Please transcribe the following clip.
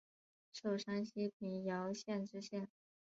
授山西平遥县知县。